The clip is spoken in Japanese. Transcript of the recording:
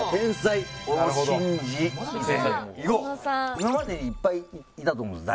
今までいっぱいいたと思うんですよ。